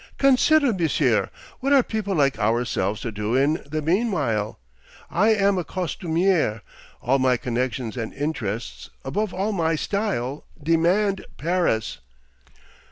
Consider, Monsieur! What are people like ourselves to do in the meanwhile? I am a costumier. All my connections and interests, above all my style, demand Paris....